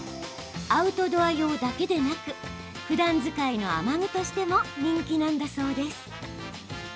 アウトドア用だけでなくふだん使いの雨具としても人気なんだそうです。